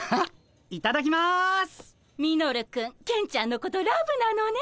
ミノルくんケンちゃんのことラブなのね。